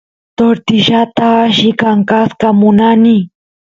tortillata alli kankasqa munani